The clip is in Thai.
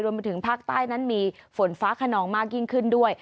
มาถึงภาคใต้นั้นมีฝนฟ้าขนองมากยิ่งขึ้นด้วย